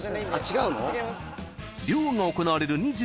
違うの？